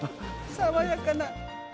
爽やかな。